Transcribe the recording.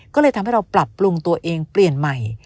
ก็เลยทำให้เราปรับปรุงตัวเองเปลี่ยนใหม่